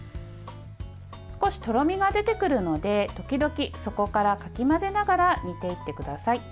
少し、とろみが出てくるので時々、底からかき混ぜながら煮ていってください。